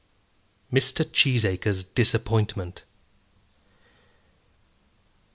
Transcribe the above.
Mr. Cheesacre's Disappointment.